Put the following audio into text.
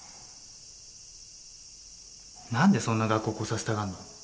何でそんな学校来させたがんの？